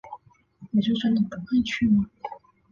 我就真的不会去吗